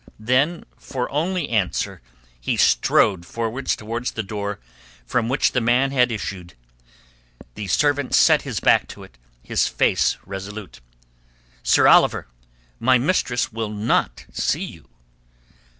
Then for only answer he strode forward towards the door from which the man had issued. The servant set his back to it, his face resolute. "Sir Oliver, my mistress will not see you."